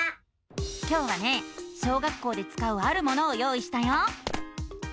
今日はね小学校でつかうあるものを用意したよ！